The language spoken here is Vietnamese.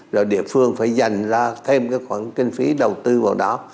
rồi địa phương phải dành ra thêm cái khoản kinh phí đầu tư vào đó